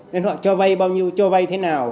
nên họ cho vay bao nhiêu cho vay thế nào